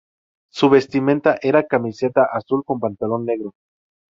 Su vestimenta era camiseta azul con pantalón negro.